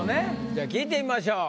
じゃあ聞いてみましょう。